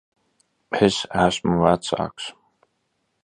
Es esmu vecāks.